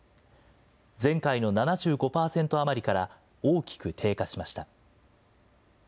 前回の７５％余りから大きく低下しました。